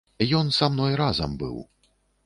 Ён са мной разам быў.